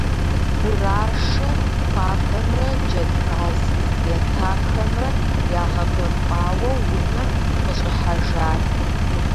Гурашэ хуабэмрэ джэдкъаз етахэмрэ ягъэбэмпӀауэ унэм къыщӀыхьэжат.